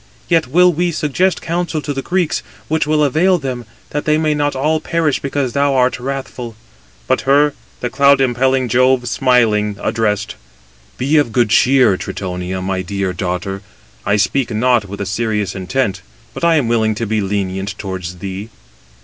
Yet will we suggest counsel to the Greeks, which will avail them, that they may not all perish because thou art wrathful." But her the cloud impelling Jove smiling addressed: "Be of good cheer, Tritonia, my dear daughter—I speak not with a serious intent; but I am willing to be lenient towards thee."